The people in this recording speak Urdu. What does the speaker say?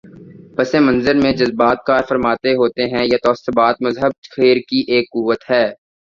پس منظر میں جذبات کارفرما ہوتے ہیں یا تعصبات مذہب خیر کی ایک قوت ہے۔